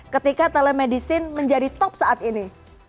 ketika telemedicine menjadi top saat ini